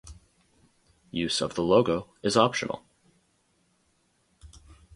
Use of the logo is optional.